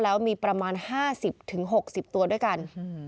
แล้วมีประมาณ๕๐๖๐ตัวด้วยกัน